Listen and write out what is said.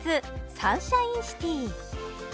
サンシャインシティ